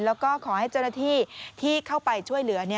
แล้วก็ขอให้เจ้าหน้าที่ที่เข้าไปช่วยเหลือ